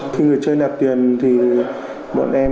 khi người chơi đạp tiền thì bọn em